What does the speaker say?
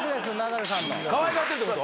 かわいがってるってこと？